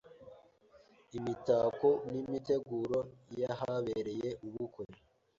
imitako n’imiteguro y’ahabereye ubukwe,